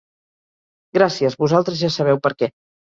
Gràcies, vosaltres ja sabeu per què.